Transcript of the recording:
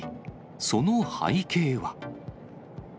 その背景は。